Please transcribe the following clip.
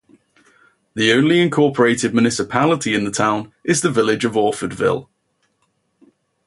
The only incorporated municipality in the town is the Village of Orfordville.